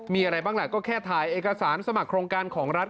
มีอะไรบ้างล่ะก็แค่ถ่ายเอกสารสมัครโครงการของรัฐ